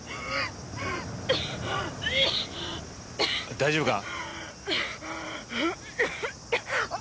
大丈夫か？